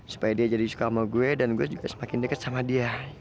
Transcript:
supaya dia jadi suka sama gue dan gue juga semakin dekat sama dia